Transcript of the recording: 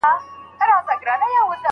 موږ به له ډاره ماڼۍ ړنګه نه کړو.